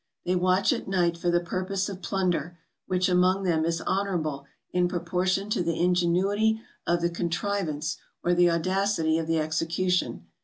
They watch at night for the purpose of plunder, which, among them, is honourable in proportion to the ingenuity of the contrivance or the audacity of the execution.